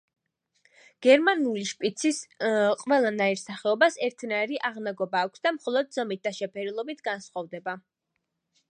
გერმანული შპიცის ყველა ნაირსახეობას ერთნაირი აღნაგობა აქვს და მხოლოდ ზომით და შეფერილობით განსხვავდება.